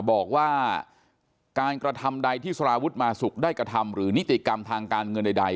บอกว่าการกระทำใดที่สารวุฒิมาสุกได้กระทำหรือนิติกรรมทางการเงินใด